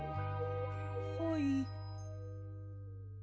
はい。